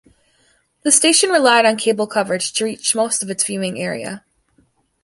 The station relied on cable coverage to reach most of its viewing area.